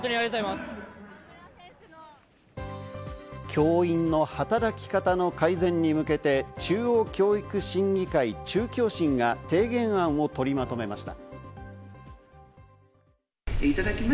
教員の働き方の改善に向けて、中央教育審議会＝中教審が、提言案を取りまとめました。